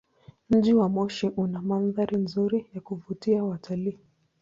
Mji wa Moshi una mandhari nzuri ya kuvutia watalii.